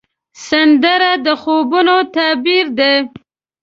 سندره د خوبونو تعبیر دی